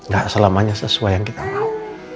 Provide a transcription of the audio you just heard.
gak selamanya sesuai yang kita mau